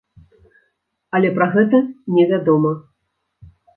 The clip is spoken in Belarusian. Але пра гэта не вядома.